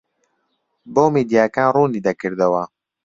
بۆ میدیاکان ڕوونی دەکردەوە